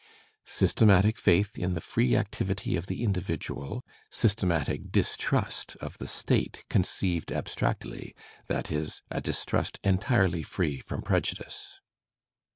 [Systematic faith in the free activity of the individual; systematic distrust of the State conceived abstractly, that is, a distrust entirely free from prejudice.